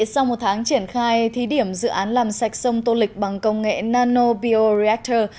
sau một tháng triển khai thí điểm dự án làm sạch sông tô lịch bằng công nghệ nano bioreactor